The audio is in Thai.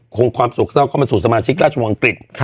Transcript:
คงความโศกเศร้าเข้ามาสู่สมาชิกราชวงศังกฤษ